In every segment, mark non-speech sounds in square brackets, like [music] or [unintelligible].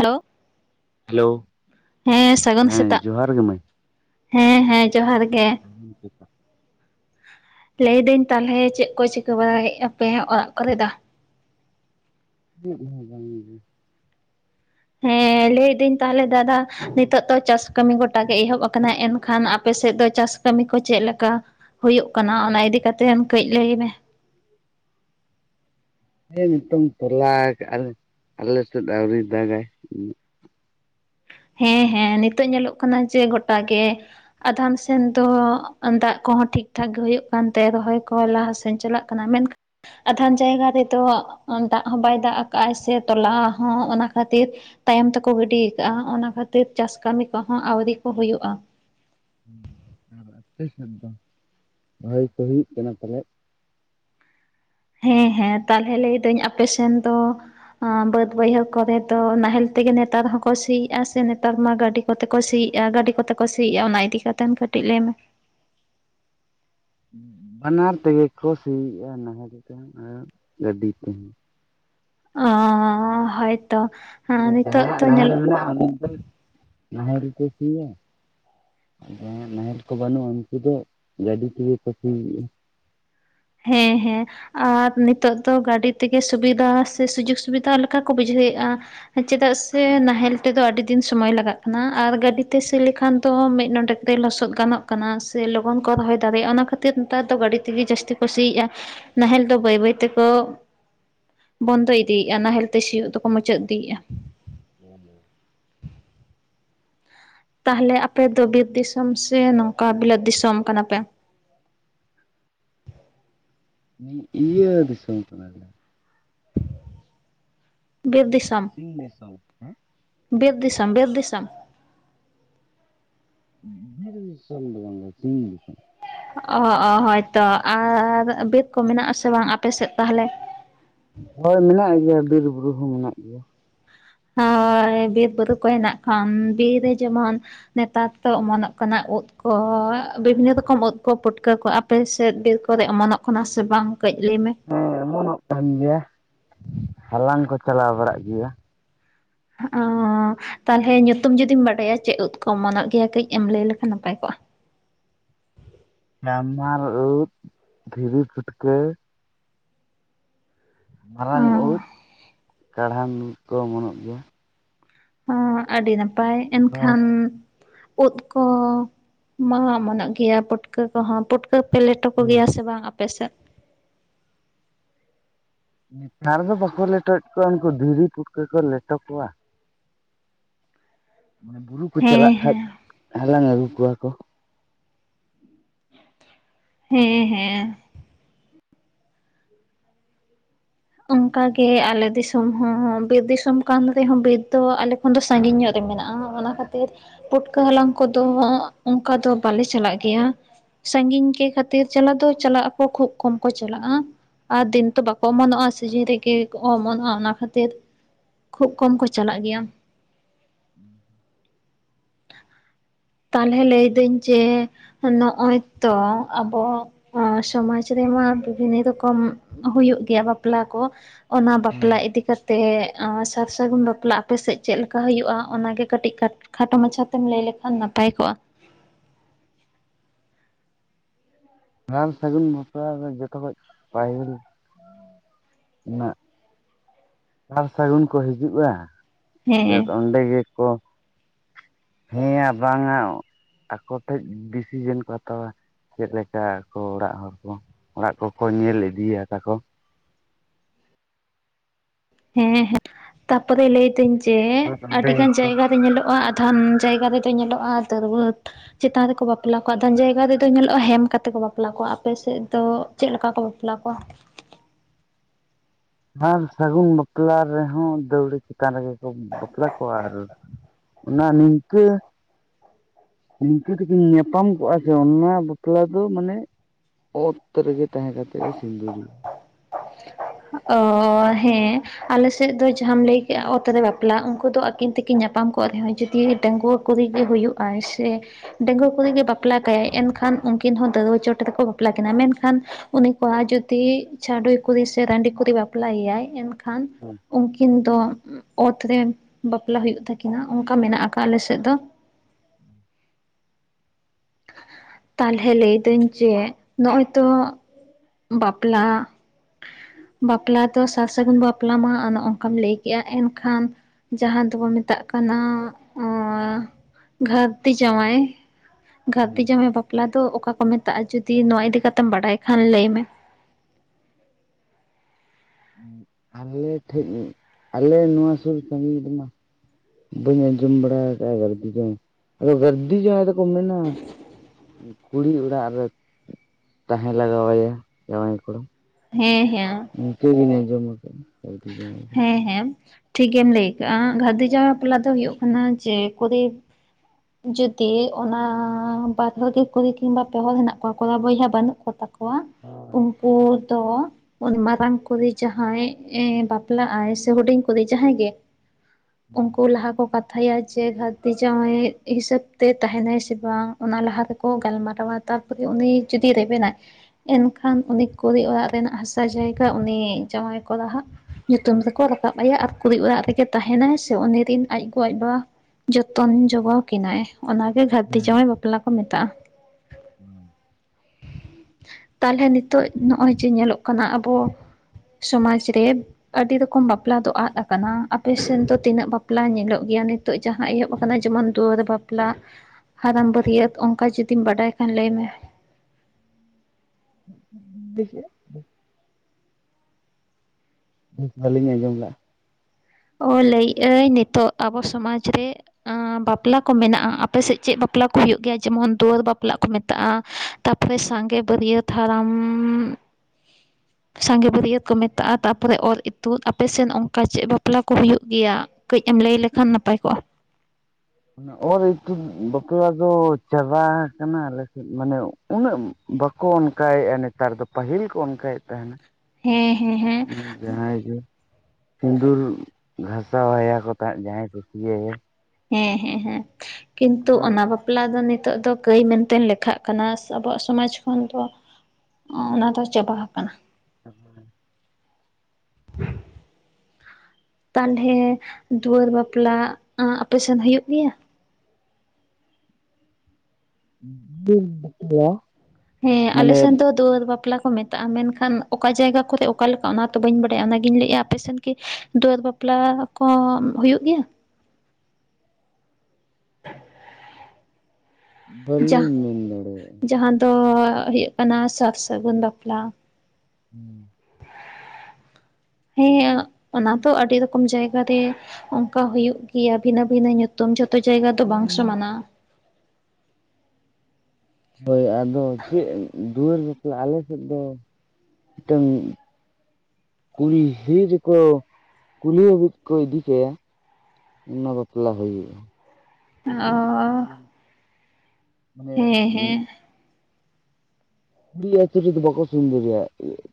Hello hello ᱦᱮᱸ ᱥᱟᱹᱜᱩᱱ ᱦᱮᱸ ᱥᱮᱛᱟᱜ ᱾ ᱡᱚᱦᱟᱨ ᱜᱮ ᱢᱟᱹᱭ ᱦᱮᱸ ᱦᱮᱸ ᱡᱚᱦᱟᱨ ᱜᱮ ᱾ [unintelligible] ᱞᱟᱹᱭ ᱫᱟᱹᱧ ᱛᱟᱦᱚᱞᱮ ᱪᱮᱫ ᱠᱚ ᱪᱤᱠᱟᱹ ᱵᱟᱲᱟᱭᱮᱫᱼᱟ ᱟᱯᱮ ᱚᱲᱟᱜ ᱠᱚᱨᱮ ᱫᱚ? [unintelligible] ᱦᱮᱸ᱾ ᱞᱮᱭ ᱫᱟᱹᱧ ᱛᱟᱦᱚᱞᱮ ᱫᱟᱫᱟ ᱱᱤᱛᱚᱜ ᱫᱚ ᱪᱟᱥ ᱠᱟᱹᱢᱤ ᱜᱚᱴᱟ ᱜᱮ ᱮᱦᱚᱵ ᱠᱟᱱᱟ ᱮᱱᱠᱷᱟᱱ ᱟᱯᱮ ᱥᱮᱫ ᱫᱚ ᱪᱟᱥ ᱠᱟᱹᱢᱤ ᱠᱚ ᱪᱮᱫ ᱞᱮᱠᱟ ᱦᱩᱭᱩᱜ ᱠᱟᱱᱟ ᱚᱱᱟ ᱤᱫᱤ ᱠᱟᱛᱮᱱ ᱠᱟᱹᱡ ᱞᱟᱹᱭ ᱢᱮ᱾ ᱦᱮᱸ ᱱᱤᱛᱚᱝ ᱛᱚᱞᱟ ᱠᱟᱜᱼᱟ ᱞᱮ᱾ ᱟᱞᱮ ᱥᱮᱫ ᱟᱹᱣᱨᱤ ᱫᱟᱜᱟᱭ ᱩᱱᱟᱹᱜ᱾ ᱦᱮᱸ ᱦᱮᱸ ᱱᱤᱛᱳᱜ ᱧᱮᱞᱚᱜ ᱠᱟᱱᱟ ᱡᱮ ᱜᱚᱴᱟ ᱜᱮ ᱟᱫᱷᱟᱱ ᱥᱮᱱ ᱫᱚ ᱫᱟᱜ ᱠᱚᱦᱚᱸ ᱴᱷᱤᱠ ᱴᱷᱟᱠ ᱜᱮ ᱦᱩᱭᱩᱜ ᱠᱟᱱ ᱛᱮ ᱨᱚᱦᱚᱭ ᱠᱚ ᱞᱟᱦᱟ ᱥᱮᱱ ᱪᱟᱞᱟᱜ ᱠᱟᱱᱟ ᱢᱮᱱᱠᱷᱟᱱ ᱟᱫᱷᱟᱱ ᱡᱟᱭᱜᱟ ᱨᱮᱫᱚ ᱫᱟᱜ ᱦᱚᱸ ᱵᱟᱭ ᱫᱟᱜ ᱟᱠᱟᱫᱟᱭ ᱥᱮ ᱛᱚᱞᱟ ᱦᱚᱸ ᱚᱱᱟ ᱠᱷᱟᱹᱛᱤᱨ, ᱛᱟᱭᱚᱢ ᱛᱮᱠᱚ ᱜᱤᱰᱤ ᱟᱠᱫᱼᱟ ᱚᱱᱟ ᱠᱷᱟᱹᱛᱤᱨ ᱪᱟᱥ ᱠᱟᱹᱢᱤ ᱠᱚᱦᱚᱸ ᱟᱹᱣᱨᱤ ᱠᱚ ᱦᱩᱭᱩᱜᱼᱟ᱾ ᱦᱩᱸ ᱟᱨ ᱟᱯᱮ ᱥᱮᱫ ᱫᱚ ᱨᱚᱦᱚᱭ ᱠᱚ ᱦᱩᱭᱩᱜ ᱠᱟᱱᱟ ᱯᱟᱞᱮᱫ? ᱦᱮᱸ ᱦᱮᱸ ᱛᱟᱦᱞᱮ ᱞᱟᱹᱭᱫᱟᱹᱧ ᱟᱯᱮ ᱥᱮᱱ ᱫᱚ ᱵᱟᱹᱫ ᱵᱟᱹᱭᱦᱟᱹᱲ ᱠᱚᱨᱮ ᱫᱚ ᱱᱟᱦᱮᱞ ᱛᱮᱜᱮ ᱱᱮᱛᱟᱨ ᱦᱚᱸᱠᱚ ᱥᱤᱜᱼᱟ ᱥᱮ ᱱᱮᱛᱟᱨ ᱢᱟ ᱜᱟᱹᱰᱤ ᱠᱚᱛᱮ ᱠᱚ ᱥᱤᱭᱮᱜᱼᱟ, ᱜᱟᱹᱰᱤ ᱠᱚᱛᱮ ᱠᱚ ᱥᱤᱭᱮᱜᱼᱟ, ᱚᱱᱟ ᱤᱫᱤ ᱠᱟᱛᱮᱱ ᱠᱟᱹᱴᱤᱡ ᱞᱟᱹᱭ ᱢᱮ᱾ ᱵᱟᱱᱟᱨ ᱛᱮ ᱜᱮ ᱠᱚ ᱥᱤᱭ ᱤᱭᱟ ᱱᱟᱦᱮᱞ ᱛᱮᱦᱚᱸ ᱟᱨ ᱜᱟᱹᱰᱤ ᱛᱮᱦᱚᱸ ᱾ ᱚᱻ ᱦᱳᱭᱛᱚ ᱱᱤᱛᱚᱜ ᱛᱚ ᱧᱮᱞᱚᱜ ᱟᱞᱮ ᱱᱚᱛᱮ ᱱᱟᱦᱮᱞ ᱛᱮ ᱥᱤᱭᱟ᱾ ᱡᱟᱦᱟᱸᱭᱟᱜ ᱱᱟᱦᱮᱞ ᱠᱚ ᱵᱟᱹᱱᱩᱜ-ᱟ ᱩᱱᱠᱩ ᱫᱚ ᱜᱟᱹᱰᱤ ᱛᱮᱜᱮ ᱠᱩ ᱥᱤ ᱦᱮᱸ ᱦᱮᱸ᱾ ᱟᱨ ᱱᱤᱛᱚᱜ ᱫᱚ ᱜᱟᱹᱰᱤ ᱛᱮᱜᱮ ᱥᱩᱵᱤᱫᱟ ᱥᱮ ᱥᱩᱡᱳᱜᱽ ᱥᱩᱵᱤᱫᱷᱟ ᱞᱮᱠᱟ ᱠᱚ ᱵᱩᱡᱷᱟᱹᱣᱮᱫᱼᱟ᱾ ᱪᱮᱫᱟᱜ ᱥᱮ ᱱᱟᱦᱮᱞ ᱛᱮᱫᱚ ᱟᱹᱰᱤ ᱫᱤᱱ ᱥᱚᱢᱚᱭ ᱞᱟᱜᱟᱜ ᱠᱟᱱᱟ ᱟᱨ ᱜᱟᱹᱰᱤ ᱛᱮ ᱥᱤ ᱞᱮᱠᱷᱟᱱ ᱫᱚ ᱢᱤᱫ ᱱᱚᱰᱮᱠ ᱛᱮ ᱞᱚᱥᱚᱫ ᱜᱟᱱᱚᱜ ᱠᱟᱱᱟ ᱥᱮ ᱞᱚᱜᱚᱱ ᱠᱚ ᱨᱚᱦᱚᱭ ᱫᱟᱲᱮᱭᱟᱜᱼᱟ ᱚᱱᱟ ᱠᱷᱟᱹᱛᱤᱨ ᱱᱮᱛᱟᱨ ᱫᱚ ᱜᱟᱹᱰᱤ ᱛᱮᱜᱮ ᱡᱟᱹᱥᱛᱤ᱾ ᱠᱚ ᱥᱤᱭᱜᱼᱟ ᱱᱟᱦᱮᱞ ᱫᱚ ᱵᱟᱹᱭ ᱵᱟᱹᱭ ᱛᱮᱠᱚ᱾ ᱵᱚᱱᱫᱚ ᱤᱫᱤᱭᱮᱜᱼᱟ ᱱᱟᱦᱮᱞ ᱛᱮ ᱥᱤᱭᱳᱜ ᱫᱚᱠᱚ ᱢᱩᱪᱟᱹᱫ ᱤᱫᱤᱭᱮᱜᱼᱟ ᱾ [unintelligible] ᱛᱟᱦᱞᱮ ᱟᱯᱮ ᱫᱚ ᱵᱤᱨ ᱫᱤᱥᱚᱢ ᱥᱮ ᱱᱚᱝᱠᱟ ᱵᱤᱞᱟᱹᱛ ᱫᱤᱥᱚᱢ ᱠᱟᱱᱟ ᱯᱮ? ᱤᱭᱟᱹ ᱫᱤᱥᱚᱢ ᱠᱟᱱᱟ ᱞᱮ᱾ ᱵᱤᱨ ᱫᱤᱥᱚᱢ᱾ [unintelligible] ᱵᱤᱨ ᱫᱤᱥᱚᱢ ᱵᱤᱨ ᱫᱤᱥᱚᱢ ᱾ [unintelligible] ᱫᱤᱥᱚᱢ ᱫᱚ ᱵᱟᱝ [unintelligible] ᱫᱤᱥᱚᱢ ᱚ ᱚ ᱦᱳᱭᱛᱚ ᱟᱨ ᱵᱤᱨ ᱠᱚ ᱢᱮᱱᱟᱜᱼᱟ ᱥᱮ ᱵᱟᱝ ᱟᱯᱮ ᱥᱮᱫ ᱛᱟᱦᱞᱮ? ᱦᱳᱭ ᱢᱮᱱᱟᱜ ᱜᱮᱭᱟ ᱵᱤᱨ ᱵᱩᱨᱩ ᱦᱚᱸ ᱢᱮᱱᱟᱜ ᱜᱮᱭᱟ᱾ ᱦᱚᱭ ᱵᱤᱨ ᱵᱩᱨᱩ ᱠᱚ ᱦᱮᱱᱟᱜ ᱠᱷᱟᱱ ᱵᱤᱨ ᱨᱮ ᱡᱮᱢᱚᱱ᱾ ᱱᱮᱛᱟ ᱛᱚ ᱚᱢᱚᱱᱚᱜ ᱠᱟᱱᱟ ᱩᱫ ᱠᱚ ᱵᱤᱵᱷᱤᱱᱱᱚ ᱨᱚᱠᱚᱢ ᱩᱫ ᱠᱚ ᱯᱩᱴᱠᱟᱹ ᱠᱚ ᱟᱯᱮ ᱥᱮᱫ ᱵᱤᱨ ᱠᱚᱨᱮ ᱚᱢᱚᱱᱚᱜ ᱠᱟᱱᱟ ᱥᱮ ᱵᱟᱝ ᱠᱟᱹᱡ ᱞᱟᱹᱭᱢᱮ᱾ ᱦᱮᱸ ᱚᱢᱚᱱᱚᱜ ᱠᱟᱱ ᱜᱮᱭᱟ, ᱦᱟᱞᱟᱝ ᱠᱚ ᱪᱟᱞᱟᱣ ᱵᱟᱲᱟᱜ ᱜᱮᱭᱟ᱾ ᱚᱻ ᱛᱟᱦᱚᱞᱮ ᱧᱩᱛᱩᱢ ᱡᱩᱫᱤᱢ ᱵᱟᱰᱟᱭᱟ ᱪᱮᱫ ᱩᱫ ᱠᱚ ᱚᱢᱚᱱᱚᱜ ᱜᱮᱭᱟ ᱠᱟᱹᱡ ᱮᱢ ᱞᱟᱹᱭ ᱞᱮᱠᱷᱟᱡ ᱱᱟᱯᱟᱭ ᱠᱚᱜᱼᱟ᱾ [unintelligible] ᱢᱟᱞ ᱩᱫ ᱫᱷᱤᱨᱤ ᱯᱩᱴᱠᱟᱹ ᱚ ᱢᱟᱨᱟᱝ ᱩᱫ ᱠᱟᱲᱦᱟᱱ ᱩᱫ ᱠᱚ ᱚᱢᱚᱱᱚᱜ ᱜᱮᱭᱟ᱾ ᱦᱩᱸ ᱟᱹᱰᱤ ᱱᱟᱯᱟᱭ ᱟᱫᱚ ᱮᱱᱠᱷᱟᱱ ᱩᱫ ᱠᱚ ᱢᱟ ᱚᱢᱚᱱᱚᱜ ᱜᱮᱭᱟ ᱯᱩᱴᱠᱟᱹ ᱠᱚᱦᱚᱸ ᱯᱩᱴ ᱠᱟᱹ ᱯᱮ ᱞᱮᱴᱚ ᱦᱩᱸ ᱠᱚᱜᱮᱭᱟ ᱥᱮ ᱵᱟᱝ ᱟᱯᱮᱥᱮᱫ? ᱱᱮᱛᱟᱨ ᱫᱚ ᱵᱟᱠᱚ ᱞᱮᱴᱚᱭᱮᱫ ᱠᱚᱣᱟ ᱩᱱᱠᱩ ᱫᱷᱤᱨᱤ ᱯᱩᱴᱠᱟᱹ ᱠᱚ ᱞᱮᱴᱚ ᱠᱚᱣᱟ ᱾ ᱢᱟᱱᱮ ᱵᱩᱨᱩ ᱠᱚ ᱦᱮᱸ ᱪᱟᱞᱟᱜ ᱠᱷᱟᱡ ᱦᱮᱸ ᱦᱟᱞᱟᱝ ᱟᱹᱜᱩ ᱠᱚᱣᱟ ᱠᱚ᱾ ᱦᱮᱸ ᱦᱮᱸ᱾ ᱚᱝᱠᱟᱜᱮ ᱟᱞᱮ ᱫᱤᱥᱚᱢ ᱦᱚᱸ ᱵᱤᱨ ᱫᱤᱥᱚᱢ ᱠᱟᱱ ᱨᱮᱦᱚᱸ ᱵᱤᱨ ᱫᱚ ᱟᱞᱮ ᱚᱸᱰᱮ ᱥᱟᱺᱜᱤᱧ ᱧᱚᱜ ᱨᱮ ᱢᱮᱱᱟᱜᱼᱟ ᱚᱱᱟ ᱠᱷᱟᱹᱛᱤᱨ ᱯᱩᱴᱠᱟᱹ ᱦᱟᱞᱟᱝ ᱠᱚᱫᱚ ᱚᱝᱠᱟ ᱫᱚ ᱵᱟᱞᱮ ᱪᱟᱞᱟᱜ ᱜᱮᱭᱟ᱾ ᱥᱟᱜᱤᱧ ᱜᱮ ᱠᱷᱟᱹᱛᱤᱨ ᱪᱟᱞᱟᱣ ᱫᱚ ᱪᱟᱞᱟᱜ ᱟᱠᱚ ᱠᱷᱩᱵᱽ ᱠᱚᱢ ᱠᱚ ᱪᱟᱞᱟᱜᱼᱟ᱾ ᱟᱨ ᱫᱤᱱ ᱛᱚ ᱵᱟᱠᱚ ᱚᱢᱚᱱᱚᱜᱼᱟ᱾ ᱥᱤᱡᱤᱱ ᱨᱮᱜᱮ ᱠᱚ ᱚᱢᱚᱱᱚᱜᱼᱟ ᱚᱱᱟ ᱠᱷᱟᱹᱛᱤᱨ ᱠᱷᱩᱵ ᱠᱚᱢ ᱠᱚ ᱪᱟᱞᱟᱜ ᱜᱮᱭᱟ᱾ ᱦᱩᱸᱸ [unintelligible] ᱛᱟᱦᱚᱞᱮ ᱞᱟᱹᱭ ᱫᱟᱹᱧ ᱡᱮ ᱱᱚᱜᱼᱚᱭ ᱛᱚ ᱟᱵᱚ᱾ ᱚᱸ ᱥᱚᱢᱟᱡ ᱨᱮᱢᱟ ᱵᱤᱵᱷᱤᱱᱱᱚ ᱨᱚᱠᱚᱢ ᱦᱩᱭᱩᱜ ᱜᱮᱭᱟ ᱵᱟᱯᱞᱟ ᱠᱚ᱾ ᱚᱱᱟ ᱵᱟᱯᱞᱟ ᱤᱫᱤ ᱠᱟᱛᱮᱫ ᱚᱸ ᱥᱟᱨ ᱥᱟᱹᱜᱩᱱ ᱵᱟᱯᱞᱟ ᱟᱯᱮ ᱥᱮᱫ ᱪᱮᱫ ᱞᱮᱠᱟ ᱦᱩᱭᱩᱜᱼᱟ ᱚᱱᱟᱜᱮ ᱠᱟᱹᱴᱤᱡ ᱠᱟ᱾ ᱠᱷᱟᱴᱚ ᱢᱟᱪᱷᱟ ᱛᱮᱢ ᱞᱟᱹᱭ ᱞᱮᱠᱷᱟᱱ ᱱᱟᱯᱟᱭ ᱠᱚᱜᱼᱟ᱾ ᱥᱟᱨ ᱥᱟᱹᱜᱩᱱ ᱵᱟᱯᱞᱟ ᱫᱚ ᱡᱚᱛᱚ ᱠᱷᱚᱡ ᱯᱟᱹᱦᱤᱞ ᱨᱮᱱᱟᱜ᱾ ᱥᱟᱨ ᱥᱟᱹᱜᱩᱱ ᱠᱚ ᱦᱤᱡᱩᱜᱼᱟ ᱦᱮᱸ ᱚᱸᱰᱮ ᱜᱮᱠᱚ᱾ ᱦᱮᱸᱭᱟ ᱵᱟᱝ ᱟ ᱟᱠᱚ ᱴᱷᱮᱡ ᱰᱤᱥᱤᱡᱮᱱ ᱠᱚ ᱦᱟᱛᱟᱣ-ᱟ᱾ ᱪᱮᱫ ᱞᱮᱠᱟ ᱟᱠᱚ ᱚᱲᱟᱜ ᱦᱚᱲ ᱠᱚ ᱚᱲᱟᱜ ᱠᱚᱠᱚ ᱧᱮᱞ ᱤᱫᱤᱭᱟ ᱛᱟᱠᱚ᱾ ᱦᱮᱸ ᱦᱮᱸ ᱛᱟᱯᱚᱨᱮ ᱞᱟᱹᱭᱫᱟᱹᱧ ᱡᱮ ᱟᱹᱰᱤ ᱜᱟᱱ ᱡᱟᱭᱜᱟ ᱫᱚ ᱧᱮᱞᱚᱜᱼᱟ ᱟᱫᱷᱟᱱ ᱡᱟᱭᱜᱟ ᱨᱮᱫᱚ ᱧᱮᱞᱚᱜᱼᱟ ᱛᱟᱹᱨᱵᱟᱹᱫ ᱪᱮᱛᱟᱱ ᱨᱮᱠᱚ ᱵᱟᱯᱞᱟ ᱠᱚᱣᱟ ᱟᱫᱦᱟᱱ ᱡᱟᱭᱜᱟ ᱨᱮᱫᱚ ᱧᱮᱞᱚᱜᱼᱟ ᱦᱮᱢ ᱠᱟᱛᱮ ᱠᱚ ᱵᱟᱯᱞᱟ ᱠᱚᱣᱭᱟ ᱟᱯᱮ ᱥᱮᱫ ᱫᱚ ᱪᱮᱫ ᱞᱮᱠᱟ ᱠᱚ ᱵᱟᱯᱞᱟ ᱠᱚᱣᱭᱟ᱾ ᱟᱨ ᱥᱟᱹᱜᱩᱱ ᱵᱟᱯᱞᱟ ᱨᱮᱦᱚᱸ ᱫᱟᱹᱣᱲᱟᱹ ᱪᱮᱛᱟᱱ ᱨᱮᱜᱮ ᱠᱚ ᱵᱟᱯᱞᱟ ᱠᱚᱣᱭᱟ ᱟᱨ ᱚᱱᱟ ᱱᱤᱱᱠᱟᱹ ᱤᱱᱠᱟᱹ ᱛᱮᱠᱤᱱ ᱧᱟᱯᱟᱢ ᱠᱚᱜᱼᱟ ᱥᱮ ᱚᱱᱟ ᱵᱟᱯᱞᱟ ᱫᱚ ᱢᱟᱱᱮ ᱚᱛ ᱨᱮᱜᱮ ᱛᱟᱦᱮᱸ ᱠᱟᱛᱮᱫ ᱮ ᱥᱤᱸᱫᱩᱨᱟᱭᱟ ᱚᱻ ᱦᱮᱸ ᱟᱞᱮ ᱥᱮᱫ ᱫᱚ ᱡᱟᱦᱟᱸᱢ ᱞᱟᱹᱭ ᱠᱮᱜᱼᱟ ᱚᱛ ᱨᱮ ᱵᱟᱯᱞᱟ ᱩᱱᱠᱩ ᱫᱚ ᱟᱹᱠᱤᱱ ᱛᱮᱠᱤᱱ ᱧᱟᱯᱟᱢ ᱠᱚᱜ ᱨᱮᱦᱚᱸ ᱡᱩᱫᱤ ᱰᱟᱹᱜᱩᱣᱟᱹ ᱯᱩᱠᱨᱤᱜ ᱜᱮ ᱦᱩᱭᱩᱜᱼᱟᱭ ᱥᱮ ᱰᱟᱹᱜᱩᱣᱟᱹ ᱠᱩᱲᱤ ᱜᱮ ᱵᱟᱯᱞᱟ ᱠᱟᱭᱟᱭ ᱮᱱ ᱠᱷᱟᱱ ᱩᱱᱠᱤᱱ ᱦᱚᱸ ᱫᱟᱹᱲᱩᱣᱟᱹ ᱪᱚᱴ ᱨᱮᱠᱚ ᱵᱟᱯᱞᱟ ᱠᱤᱱᱟ ᱢᱮᱱᱠᱷᱟᱱ ᱩᱱᱤ ᱠᱚᱲᱟ ᱡᱩᱫᱤ ᱛᱤ ᱪᱷᱟᱰᱩᱭ ᱠᱩᱲᱤ ᱥᱮ ᱨᱟᱸᱰᱤ ᱠᱩᱨᱤ ᱵᱟᱯᱞᱟᱭᱮᱭᱟᱭ ᱮᱱᱠᱷᱟᱱ ᱩᱱᱠᱤᱱ ᱫᱚ ᱚᱛ ᱨᱮ ᱵᱟᱯᱞᱟ ᱦᱩᱭᱩᱜ ᱛᱟᱹᱠᱤᱱᱟ ᱚᱱᱠᱟ ᱢᱮᱱᱟᱜ ᱟᱠᱟᱜ-ᱟ ᱟᱞᱮ ᱥᱮᱫ ᱫᱚ ᱛᱟᱞᱦᱮ ᱞᱟᱹᱭ ᱫᱟᱹᱧ ᱡᱮ ᱱᱚᱜ-ᱚᱭ ᱛᱚ ᱵᱟᱯᱞᱟ᱾ ᱵᱟᱯᱞᱟ ᱫᱚ ᱥᱟᱨ ᱥᱟᱹᱜᱩᱱ ᱵᱟᱯᱞᱟᱢᱟ ᱚᱱᱮ ᱚᱱᱠᱟᱢ ᱞᱟᱹᱭ ᱠᱮᱜᱼᱟ ᱮᱱᱠᱷᱟᱱ ᱡᱟᱦᱟᱸ ᱫᱚᱠᱚᱱ ᱢᱮᱛᱟᱜ ᱠᱟᱱᱟ ᱜᱷᱟᱹᱨᱫᱤ ᱡᱟᱸᱣᱭᱟᱭ᱾ ᱜᱷᱟᱨᱫᱤ ᱡᱟᱢᱟᱭ ᱵᱟᱯᱞᱟ ᱫᱚ ᱚᱠᱟ ᱠᱚ ᱢᱮᱛᱟᱜᱼᱟ, ᱡᱩᱫᱤ ᱱᱚᱣᱭᱟ ᱤᱫᱤ ᱠᱟᱛᱮᱢ ᱵᱟᱲᱟᱭ ᱠᱷᱟᱱ ᱞᱟᱹᱭ ᱢᱮ? [unintelligible] [unintelligible] ᱟᱞᱮ ᱴᱷᱮᱡ ᱟᱞᱮ ᱱᱚᱣᱭᱟ ᱥᱩᱨ ᱥᱟᱺᱜᱤᱧ ᱨᱮᱢᱟ ᱵᱟᱹᱧ ᱟᱸᱡᱚᱢ ᱵᱟᱲᱟ ᱟᱠᱟᱫ-ᱟ ᱜᱦᱟᱨᱫᱤ ᱡᱟᱸᱣᱭᱟᱭ ᱟᱫᱚ ᱜᱦᱟᱨᱫᱤ ᱡᱟᱸᱣᱭᱟᱭ ᱫᱚᱠᱚ ᱢᱮᱱᱟ᱾ ᱠᱩᱲᱤ ᱚᱲᱟᱜ ᱨᱮ ᱛᱟᱦᱮᱸ ᱞᱟᱜᱟᱣ ᱟᱭᱟ ᱡᱟᱸᱣᱭᱟᱭ ᱠᱚᱲᱟ ᱦᱮᱸ ᱦᱮᱸ ᱠᱤᱱᱟ ᱡᱚᱢ ᱠᱚ [unintelligible] ᱦᱮᱸ ᱦᱮᱸ ᱴᱷᱤᱠᱜ ᱜᱮᱢ ᱞᱟᱹᱭ ᱠᱟᱜᱼᱟ ᱜᱦᱟᱨᱫᱤ ᱡᱟᱸᱣᱭᱟᱭ ᱵᱟᱯᱞᱟ ᱫᱚ ᱦᱩᱭᱩᱜ ᱠᱟᱱᱟ ᱡᱮ ᱠᱩᱲᱤ ᱡᱩᱫᱤ ᱚᱱᱟ ᱵᱟᱨ ᱦᱚᱲ ᱜᱮ ᱠᱩᱲᱤ ᱠᱤᱝᱵᱟ ᱯᱮ ᱦᱚᱨ ᱢᱮᱱᱟᱜ ᱠᱚᱣᱭᱟ ᱠᱚᱲᱟ ᱵᱚᱭᱦᱟ ᱵᱟᱹᱱᱩᱜ ᱛᱟᱠᱚ ᱱᱚᱣᱭᱟ ᱦᱳᱭ ᱩᱱᱠᱩ ᱫᱚ ᱢᱟᱨᱟᱝ ᱠᱚᱨᱮ ᱡᱟᱦᱟᱸᱭ ᱟᱸ ᱵᱟᱯᱞᱟᱜᱼ ᱟᱭ ᱥᱮ ᱦᱩᱰᱤᱧ ᱠᱚᱨᱮ ᱡᱟᱦᱟᱸᱭ ᱜᱮ ᱩᱱᱠᱩ ᱞᱟᱦᱟ ᱠᱚ ᱠᱟᱛᱮ ᱛᱦᱟᱭ ᱟᱪᱮ ᱜᱦᱟᱨᱫᱤ ᱡᱟᱸᱣᱭᱟᱭ ᱦᱤᱥᱟᱹᱵᱽ ᱛᱮ ᱛᱟᱦᱮᱱᱟᱭ ᱥᱮ ᱵᱟᱝ ᱚᱱᱟ ᱞᱟᱦᱟ ᱛᱮᱠᱚ ᱜᱟᱞᱢᱟᱨᱟᱣ-ᱟ ᱛᱟᱯᱚᱨᱮ ᱩᱱᱤ ᱡᱩᱫᱤ ᱨᱮᱵᱮᱱᱟᱭ ᱮᱱᱠᱷᱟᱱ ᱩᱱᱤ ᱠᱩᱲᱤ ᱚᱲᱟᱜ ᱨᱮᱱᱟᱜ ᱦᱟᱥᱟ ᱡᱟᱭᱜᱟ ᱩᱱᱤ ᱡᱟᱶᱟᱭ ᱠᱚᱲᱟ ᱦᱟᱜ ᱧᱩᱛᱩᱢ ᱛᱮᱠᱚ ᱨᱟᱠᱟᱵ ᱟᱭᱟ ᱟᱨ ᱠᱩᱲᱤ ᱚᱲᱟᱜ ᱨᱮᱜᱮ ᱛᱟᱦᱮᱱᱟᱭ ᱥᱮ ᱩᱱᱤ ᱨᱤᱱ ᱟᱡ ᱜᱚ ᱟᱡ ᱵᱟᱵᱟ ᱡᱚᱛᱚᱱ ᱡᱚᱜᱟᱣ ᱠᱤᱱᱟᱭ ᱚᱱᱟᱜᱮ ᱜᱷᱟᱹᱨᱫᱤ ᱦᱩᱸ ᱡᱟᱶᱟᱭ ᱵᱟᱯᱞᱟ ᱠᱚ ᱢᱮᱛᱟᱜᱼᱟ᱾ [inaudible] ᱛᱟᱞᱦᱮ ᱱᱤᱛᱚᱜ ᱱᱚᱜᱼᱚᱭ ᱡᱮ ᱧᱮᱞᱚᱜ ᱠᱟᱱᱟ ᱟᱵᱚ ᱥᱚᱢᱟᱡᱽ ᱨᱮ ᱟᱹᱰᱤ ᱨᱚᱠᱚᱢ ᱵᱟᱯᱞᱟ ᱫᱚ ᱟᱫ ᱠᱟᱱᱟ ᱟᱯᱮᱥᱮᱱ ᱫᱚ ᱛᱤᱱᱟᱹᱜ ᱵᱟᱯᱞᱟ ᱧᱮᱞᱚᱜ ᱜᱮᱭᱟ ᱱᱤᱛ ᱱᱤᱛᱚᱜ ᱡᱟᱦᱟᱸ ᱮᱦᱚᱵ ᱟᱠᱟᱱᱟ ᱡᱮᱢᱚᱱ ᱫᱩᱣᱟᱹᱨ ᱵᱟᱯᱞᱟ ᱦᱟᱨᱟᱢ ᱵᱟᱹᱨᱭᱟᱹᱛ ᱚᱱᱠᱟ ᱡᱩᱫᱤᱢ ᱵᱟᱰᱟᱭ ᱠᱷᱟᱱ ᱞᱟᱹᱭ ᱢᱮ [inaudible] ᱵᱮᱥ ᱵᱟᱞᱤᱧ ᱟᱸᱡᱚᱢ ᱞᱮᱫᱼᱟ ᱚ ᱞᱟᱹᱭᱮᱜ ᱟᱹᱧ ᱱᱤᱛᱚᱜ ᱟᱵᱚ ᱥᱚᱢᱟᱡᱽ ᱨᱮ ᱟ ᱵᱟᱯᱞᱟ ᱠᱚ ᱢᱮᱱᱟᱜᱼᱟ ᱟᱯᱮ ᱥᱮᱫ ᱪᱮᱫ ᱵᱟᱯᱞᱟ ᱠᱚ ᱦᱩᱭᱩᱜ ᱜᱮᱭᱟ ᱡᱮᱢᱚᱱ ᱫᱩᱣᱟᱹᱨ ᱵᱟᱯᱞᱟ ᱠᱚ ᱢᱮᱛᱟᱜᱼᱟ ᱛᱟᱨ ᱯᱚᱨᱮ ᱥᱟᱸᱜᱮ ᱵᱟᱹᱨᱤᱭᱟᱹᱛᱟᱲᱟᱢ [unintelligible] ᱥᱟᱸᱜᱮ ᱵᱟᱹᱨᱭᱟᱹᱛ ᱠᱚ ᱢᱮᱛᱟᱜᱼᱟ ᱛᱟᱯᱚᱨᱮ ᱚᱨ ᱤᱛᱩᱫ ᱟᱯᱮ ᱥᱮᱱ ᱚᱱᱠᱟ ᱪᱮᱫ ᱵᱟᱯᱮ ᱵᱟᱯᱞᱟ ᱠᱚ ᱦᱩᱭᱩᱜ ᱜᱮᱭᱟ ᱠᱟᱹᱡ ᱮᱢ ᱞᱟᱹᱭ ᱞᱮᱠᱷᱟᱱ ᱱᱟᱯᱟᱭ ᱠᱚᱜᱼᱟ ᱚᱨ ᱤᱛᱩᱫ ᱵᱟᱯᱞᱟ ᱫᱚ ᱪᱟᱵᱟ ᱟᱠᱟᱱᱟ ᱠᱟᱱᱟ ᱟᱞᱮ ᱥᱮᱫ ᱢᱟᱱᱮ ᱩᱱᱟᱹᱜ ᱵᱟᱠᱚ ᱚᱱᱠᱟᱭᱮᱫᱼᱟ ᱱᱮᱛᱟᱨ ᱫᱚ ᱯᱟᱹᱦᱤᱞ ᱠᱚ ᱚᱱᱠᱟᱭᱮᱫ ᱛᱟᱦᱮᱱᱟ ᱦᱮᱸ ᱦᱮᱸ ᱦᱮᱸ ᱟᱡ ᱭᱩ ᱥᱤᱸᱫᱩᱨ ᱜᱷᱟᱥᱟᱣ ᱟᱭᱟ ᱠᱚ ᱛᱟᱦᱮᱸᱫ ᱡᱟᱦᱟᱸᱭ ᱠᱩᱥᱤᱭᱟᱭᱟ ᱦᱮᱸ ᱦᱮᱸ ᱦᱮᱸ ᱠᱤᱱᱛᱩ ᱟᱫᱚ ᱚᱱᱟ ᱵᱟᱯ ᱵᱟᱯᱞᱟ ᱫᱚ ᱱᱤᱛᱚᱜ ᱫᱚ ᱠᱟᱹᱭ ᱢᱮᱱᱛᱮ ᱞᱮᱠᱷᱟᱜ ᱠᱟᱱᱟ ᱟᱵᱚᱣᱟᱜ ᱥᱚᱢᱟᱡᱽ ᱠᱷᱚᱱ ᱫᱚ ᱚ ᱚᱱᱟ ᱫᱚ ᱪᱟᱵᱟ ᱦᱟᱠᱟᱱᱟ ᱦᱩ ᱛᱟᱞᱦᱮ ᱫᱩᱣᱟᱹᱨ ᱵᱟᱯᱞᱟ ᱟ ᱟᱯᱮᱥᱮᱱ ᱦᱩᱭᱩᱜ ᱜᱮᱭᱟ [unintelligible] ᱦᱮᱸ ᱢᱟᱱᱮ ᱟᱞᱮᱥᱮᱱ ᱫᱚ ᱫᱩᱣᱟᱹᱨ ᱵᱟᱯᱞᱟ ᱠᱚ ᱢᱮᱛ ᱛᱟᱜ ᱟ ᱢᱮᱱᱠᱷᱟᱱ ᱚᱠᱟ ᱡᱟᱭᱜᱟ ᱠᱚᱨᱮ ᱚᱠᱟ ᱞᱮᱠᱟ ᱚᱱᱟ ᱛᱚ ᱵᱟᱹᱧ ᱵᱟᱰᱟᱭᱟ ᱚᱱᱟᱜᱤᱧ ᱞᱟᱹᱭᱼᱟ ᱟᱯᱮᱥᱮᱱ ᱠᱤ ᱫᱩᱣᱟᱹᱨ ᱵᱟᱯᱞᱟ ᱠᱚ ᱦᱩᱭᱩᱜ ᱜᱮᱭᱟ [inaudible] ᱡᱟ ᱵᱟᱹᱞᱤᱧ ᱢᱮᱱ ᱫᱟᱲᱮᱭᱟᱜ ᱡᱟᱦᱟᱸ ᱫᱚ ᱦᱩᱭᱩᱜ ᱠᱟᱱᱟ ᱥᱟᱨ ᱥᱟᱹᱜᱩᱱ ᱵᱟᱯᱞᱟ ᱦᱩᱸ ᱦᱮᱸ ᱚᱱᱟ ᱛᱚ ᱟᱹᱰᱤ ᱨᱚᱠᱚᱢ ᱡᱟᱭᱜᱟ ᱨᱮ ᱚᱱᱠᱟ ᱦᱩᱭᱩᱜ ᱜᱮᱭᱟ ᱵᱷᱤᱱᱟᱹ ᱵᱷᱤᱱᱟᱹ ᱧᱩᱛ ᱛᱩᱢ ᱡᱷᱚᱛᱚ ᱡᱟᱭᱜᱟ ᱫᱚ ᱵᱟᱝ ᱥᱚᱢᱟᱱᱟ ᱦᱳᱭ ᱟᱫᱚ ᱪᱮᱫ ᱫᱩᱣᱟᱹᱨ ᱵᱟᱯᱞᱟ ᱟᱞᱮ ᱥᱮᱫ ᱫᱚ ᱢᱤᱫᱴᱟᱝ ᱠᱩᱞᱦᱤ [unintelligible] ᱠᱩᱞᱦᱤ ᱦᱟᱹᱵᱤᱡ ᱠᱚ ᱤᱫᱤ ᱠᱟᱭᱟ ᱚᱱᱟ ᱵᱟᱯᱞᱟ ᱦᱩᱭᱩᱜᱼᱟ ᱚᱦ ᱢᱟᱱᱮ ᱩ ᱦᱮᱸ ᱠᱩᱲᱤ ᱟᱹᱛᱩ ᱨᱮᱫᱚ ᱵᱟᱠᱚ ᱥᱤᱫᱩᱨᱤᱭᱟ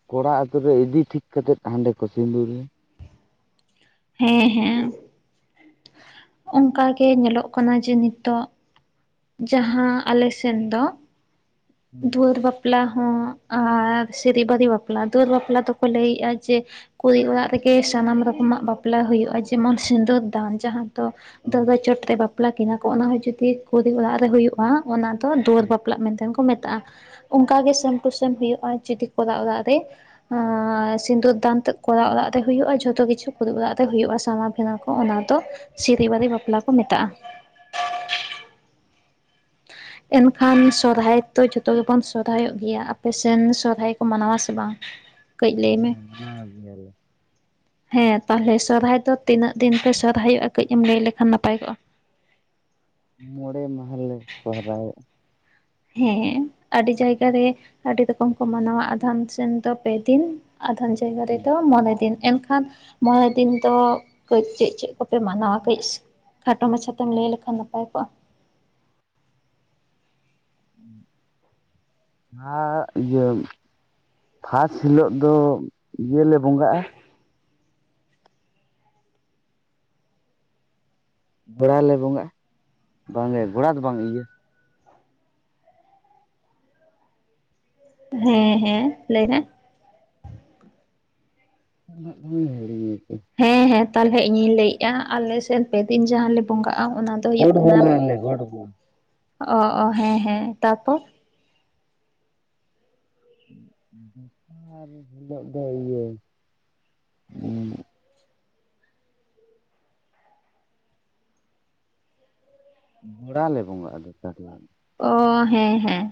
ᱠᱚᱲᱟ ᱟᱛᱩᱨᱮ ᱤᱫᱤ ᱴᱷᱤᱠ ᱠᱟᱛᱮᱫ ᱦᱟᱸᱰᱮ ᱠᱚ ᱥᱤᱫᱩᱨᱮᱭᱟ ᱦᱮᱸ ᱦᱮᱸ ᱚᱱᱠᱟ ᱜᱮ ᱧᱮᱞᱚᱜ ᱠᱟᱱᱟ ᱡᱮ ᱱᱤᱛᱚᱜ ᱡᱟᱦᱟᱸ ᱟᱞᱮᱥᱮᱱ ᱫᱚ ᱫᱩᱣᱟᱹᱨ ᱵᱟᱯ ᱵᱟᱯᱞᱟ ᱦᱚᱸ ᱟᱨ ᱥᱮᱨᱤ ᱵᱟᱹᱨᱤ ᱵᱟᱯᱞᱟ ᱫᱩᱣᱟᱹᱨ ᱵᱟᱯᱞᱟ ᱫᱚᱠᱚ ᱞᱟᱹᱭᱮᱜᱼᱟ ᱡᱮ ᱠᱩᱲᱤ ᱚᱲᱟᱜ ᱨᱮᱜᱮ ᱥᱟᱱᱟᱢ ᱨᱚᱠᱚᱢᱟᱜ ᱵᱟᱯᱞᱟ ᱦᱩᱭᱩᱜᱼᱟ ᱡᱮᱢᱚᱱ ᱥᱤᱸᱫᱩᱨ ᱫᱟᱱ ᱡᱟᱦᱟ ᱛᱚ ᱫᱟᱹᱲᱣᱟᱹ ᱪᱚᱴ ᱨᱮ ᱵᱟᱯᱞᱟ ᱠᱤᱱᱟᱹ ᱠᱚ ᱚᱱᱟ ᱦᱚᱸ ᱡᱩᱫᱤ ᱠᱩᱲᱤ ᱚᱲᱟᱜ ᱨᱮ ᱦᱩᱭᱩᱜᱼᱟ ᱚᱱᱟ ᱫᱚ ᱫᱩᱣᱟᱹᱨ ᱵᱟᱯᱞᱟᱜ ᱢᱮᱱᱛᱮ ᱦᱚ ᱠᱚ ᱢᱮᱛᱟᱜᱼᱟ ᱚᱱᱠᱟ ᱜᱮ ᱥᱮᱢ ᱴᱩ ᱥᱮᱱ ᱦᱩᱭᱩᱜᱼᱟ ᱡᱩᱫᱤ ᱠᱚᱨᱟ ᱚᱲᱟᱜ ᱨᱮ ᱟ ᱥᱤᱸᱫᱩᱨ ᱫᱟᱱ ᱛᱮᱫ ᱠᱚᱨᱟ ᱚᱨᱟᱜ ᱨᱮ ᱦᱩᱭᱩᱜᱼᱟ ᱡᱷᱚᱛᱚ ᱠᱤᱪᱷᱩ ᱠᱩᱨᱤ ᱚᱨᱟᱜ ᱨᱮ ᱦᱩᱭᱩᱜᱳᱼᱟ ᱥᱟ ᱠᱮᱫᱟ ᱠᱚ ᱚᱱᱟ ᱫᱚ ᱥᱤᱨᱤ ᱵᱟᱹᱨᱤ ᱵᱟᱯᱞᱟ ᱠᱚ ᱢᱮᱛᱟᱜᱼᱟ [inaudible] ᱮᱱᱠᱷᱟᱱ ᱥᱚᱨᱦᱟᱭ ᱫᱚᱚ ᱡᱚᱛᱚ ᱜᱮᱵᱚᱱ ᱥᱚᱨᱦᱟᱭᱚᱜ ᱜᱮᱭᱟ ᱟᱯ ᱥᱮᱱ ᱥᱚᱨᱦᱟᱭ ᱠᱚ ᱢᱟᱱᱟᱣᱟ ᱥᱮ ᱵᱟᱝ? [inaudible] ᱠᱟᱹᱡ ᱞᱟᱹᱭ ᱢᱮ ᱢᱟᱱᱟᱣ ᱜᱮᱭᱟᱞᱮ ᱦᱮᱸ ᱛᱟᱦᱚᱞᱮ ᱥᱚᱨᱦᱟᱭ ᱫᱚ ᱛᱤᱱᱟᱹᱜ ᱫᱤᱱ ᱯᱮ ᱥᱚᱨᱦᱟᱭᱚᱜᱼᱟ ᱠᱟᱹᱡ ᱮᱢ ᱞᱟᱹᱭ ᱞᱮᱠᱷᱟᱱ ᱱᱟᱯᱟᱭ ᱠᱚᱜᱼᱟ? ᱢᱚᱬᱮ ᱢᱟᱦ ᱞᱮ ᱥᱚᱦᱨᱟᱭᱚᱜ ᱦᱮᱸ ᱟᱹᱰᱤ ᱡᱟᱭᱜᱟ ᱨᱮ ᱟᱹᱰᱤ ᱨᱚᱠᱚᱢ ᱠᱚ ᱢᱟᱱᱟᱣᱟ ᱟᱫᱷᱟᱢ ᱥᱮᱱ ᱫᱚ ᱯᱮ ᱫᱤᱱ ᱟᱫᱷᱚᱢ ᱡᱟᱭᱜᱟ ᱨᱮᱫᱚ ᱢᱚᱬᱮ ᱫᱤᱱ ᱮᱱᱠᱷᱟᱱ ᱢᱚᱬᱮ ᱫᱤᱱ ᱫᱚ ᱠᱟᱹᱡ ᱪᱮᱫ-ᱪᱮᱫ ᱠᱚᱯᱮ ᱢᱟᱱᱟᱣᱟ ᱠᱟᱹᱡ? ᱠᱷᱟᱴᱚ ᱢᱟᱪᱷᱟ ᱛᱮᱢ ᱞᱟᱹᱭ ᱞᱮᱠᱷᱟᱱ ᱱᱟᱯᱟᱭ ᱠᱚᱜᱼᱟ? ᱦᱚᱜ ᱤᱭᱟᱹᱢ ᱯᱷᱟᱥ ᱦᱤᱞᱳᱜ ᱫᱚ ᱤᱭᱟᱹᱞᱮ ᱵᱚᱸᱜᱟᱜᱼᱟ ᱵᱮᱲᱟᱞᱮ ᱵᱚᱸᱜᱟᱜᱼᱟ ᱵᱟᱝᱜᱮ ᱜᱚᱲᱟ ᱫᱚ ᱵᱟᱝ ᱤᱭᱟᱹ ᱦᱮᱸ ᱦᱮᱸ ᱞᱟᱹᱭ ᱢᱮ? [unintelligible] ᱦᱮᱸ ᱦᱮᱸ ᱛᱟᱦᱚᱞᱮ ᱤᱧᱤᱧ ᱞᱟᱹᱭᱮᱜᱼᱟ ᱟᱞᱮ ᱥᱮᱱ ᱯᱮ ᱫᱤᱱ ᱡᱟᱦᱟᱸ ᱞᱮ ᱵᱚᱸᱜᱟᱜᱼᱟ ᱚᱱᱟ ᱫᱚ ᱜᱚᱴ ᱵᱚᱸᱜᱟ ᱭᱟᱞᱮ ᱜᱚᱴ ᱵᱚᱸᱜᱟ ᱦᱮᱸᱼᱦᱮᱸ ᱛᱟᱨᱯᱚᱨ? ᱫᱚᱥᱟᱨ ᱦᱤᱞᱳᱜ ᱫᱚ ᱤᱭᱟᱹ [unintelligible] ᱜᱚᱲᱟ ᱞᱮ ᱵᱚᱸᱜᱟᱜ-ᱟ ᱟᱞᱮ ᱟᱫᱚ ᱚ ᱦᱮᱸ ᱦᱮᱸ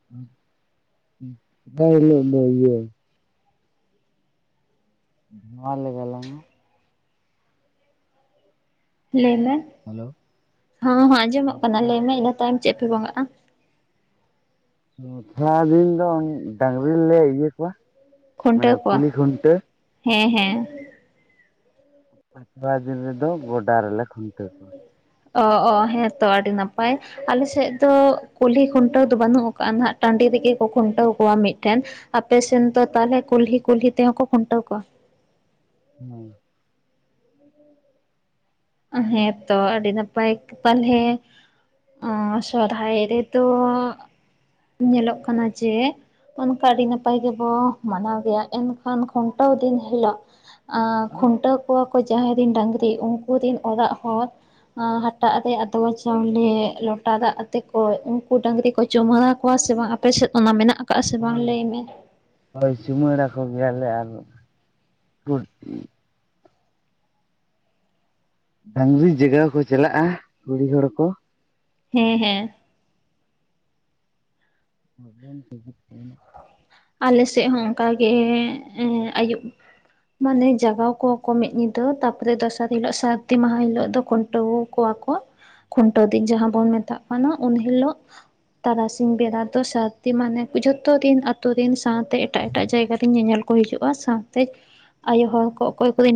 [unintelligible] ᱤᱭᱟᱹ ᱱᱚᱶᱟ ᱞᱮ ᱜᱟᱞᱟᱝᱼᱟ ᱞᱟᱹᱭᱢᱮ ᱦᱮᱞᱳ ᱦᱚᱸ ᱦᱚᱸ ᱟᱸᱡᱚᱢᱚᱜ ᱠᱟᱱᱟ ᱞᱟᱹᱭᱢᱮ ᱤᱱᱟᱹ ᱛᱟᱭᱚᱢ ᱪᱮᱫ ᱯᱮ ᱵᱚᱸᱜᱟᱜᱼᱟ᱾ ᱛᱷᱚᱲᱟ ᱫᱤᱱ ᱫᱚ ᱰᱟᱝᱨᱤ ᱞᱮ ᱤᱭᱟᱹ ᱠᱚᱣᱟ ᱢᱟᱱᱮ ᱠᱩᱞᱦᱤ ᱠᱷᱩᱱᱴᱟᱹᱣ ᱦᱮᱸᱼᱦᱮᱸ ᱟᱨ ᱛᱷᱚᱲᱟ ᱫᱤᱱ ᱨᱮᱫᱚ ᱜᱚᱰᱟ ᱨᱮᱞᱮ ᱠᱷᱩᱱᱴᱟᱹᱣ ᱠᱚᱣᱟ ᱚᱼᱚ ᱦᱮᱸᱛᱚ ᱟᱹᱰᱤ ᱱᱟᱯᱟᱭ᱾ ᱟᱞᱮ ᱥᱮᱫ ᱫᱚ ᱠᱩᱞᱦᱤ ᱠᱷᱩᱱᱴᱟᱹᱣ ᱫᱚ ᱵᱟᱹᱱᱩᱜ ᱟᱠᱟᱫᱟᱼᱟ ᱦᱜ ᱴᱟᱺᱰᱤ ᱨᱮᱜᱮ ᱠᱚ ᱠᱷᱩᱱᱴᱟᱹᱣ ᱠᱚᱣᱟ ᱢᱤᱫ ᱴᱮᱱ ᱟᱯᱮ ᱥᱮᱱ ᱫᱚ ᱛᱟᱦᱚᱞᱮ ᱠᱩᱞᱦᱤ ᱠᱩᱞᱦᱤ ᱛᱮᱦᱚᱸ ᱠᱚ ᱠᱷᱩᱱᱴᱟᱹᱣ ᱠᱚᱣᱟ? ᱦᱮᱸ [inaudible] ᱦᱮᱸᱛᱚ ᱟᱹᱰᱤ ᱱᱟᱯᱟᱭ ᱯᱟᱞᱦᱮ ᱥᱚᱨᱦᱟᱭ ᱨᱮᱫᱚ ᱧᱮᱞᱚᱜ ᱠᱟᱱᱟ ᱡᱮ ᱚᱱᱠᱟ ᱟ. ᱰᱤ ᱱᱟᱯᱟᱭ ᱜᱮ ᱵᱳ ᱢᱟᱱᱟᱣ ᱜᱮᱭᱟ ᱮᱱ ᱠᱷᱟᱱ ᱠᱷᱩᱸᱴᱟᱹᱣ ᱫᱤᱱ ᱦᱤᱞᱚᱜ ᱟᱫᱚ ᱠᱷᱩᱱᱴᱟᱹᱣ ᱠᱚᱣᱟ ᱠᱚ ᱡᱟᱦᱭ ᱨᱮᱱ ᱰᱟᱝᱨᱤ ᱩᱱᱠᱩ ᱨᱤᱱ ᱚᱲᱟᱜ ᱦᱚᱲ ᱦᱟᱴᱟᱜ ᱨᱮ ᱟᱫᱚ ᱛᱚᱣᱟ ᱪᱟᱣᱞᱮ ᱞᱚᱴᱟ ᱫᱟᱜ ᱟᱛᱮ ᱠᱚ ᱩᱱᱠᱩ ᱰᱟᱹᱝᱨᱤ ᱠᱚ ᱪᱩᱢᱟᱹᱲᱟ ᱠᱚᱣᱟ ᱥᱮ ᱵᱟᱝ ᱟᱯᱮᱥᱮᱫ ᱚᱱᱟ ᱢᱮᱱᱟᱜᱼᱟ? ᱟᱠᱟᱟᱜ ᱥᱮᱵᱟᱝ ᱦᱳᱭ ᱞᱟᱹᱭᱢᱮ? ᱦᱳᱭ ᱪᱩᱢᱟᱹᱲᱟ ᱠᱚ ᱜᱮᱭᱟᱞᱮ ᱟᱨ ᱰᱲᱝᱨᱤ ᱡᱟᱜᱟᱣ ᱠᱚ ᱪᱟᱞᱟᱜᱼᱟ ᱠᱩᱲᱤ ᱦᱚᱲ ᱠᱚ? ᱦᱮᱸ ᱦᱮᱸ [unintelligible] ᱟᱞ ᱥᱮᱫ ᱦᱚᱸ ᱚᱱᱠᱟᱜᱮ ᱟᱹᱭᱩᱵ ᱢᱟᱱᱮ ᱡᱟᱜᱟᱣ ᱠᱚᱣᱟ ᱠᱚ ᱢᱤᱫ ᱧᱤᱫᱟᱹ ᱛᱟᱯᱚᱨᱮ ᱫᱚᱥᱟᱨ ᱦᱤᱞᱚᱜ ᱥᱟᱹᱨᱫᱤ ᱢᱟᱦᱟ ᱦᱤᱞᱚᱜ ᱫᱚ ᱠᱷᱩᱱᱴᱟᱹᱣ ᱠᱚᱣᱟ ᱠᱚ ᱠᱷᱩᱱᱴᱟᱹᱣ ᱫᱤᱱ ᱡᱟᱦᱟᱸ ᱵᱚᱱ ᱢᱮᱛᱟᱜ ᱠᱟᱱᱟ ᱩᱱ ᱦᱤᱞᱳᱜ ᱛᱟᱨᱟᱥᱤᱧ ᱵᱮᱲᱟ ᱫᱚ ᱥᱟᱨᱫᱤ ᱢᱟᱱᱮ ᱡᱷᱚᱛᱚ ᱫᱤᱱ ᱟᱫᱚ ᱟᱛᱳ ᱨᱮᱱ ᱥᱟᱶᱛᱮ ᱮᱴᱟᱜ ᱮᱴᱟᱜ ᱡᱟᱭᱜᱟ ᱨᱮ ᱧᱮᱧᱮᱞ ᱠᱚ ᱦᱤᱡᱩᱜᱼᱟ ᱥᱟᱶᱛᱮ ᱟᱭᱳ ᱦᱚᱲ ᱠᱚ ᱚᱠᱚᱭ ᱠᱚᱨᱤᱱ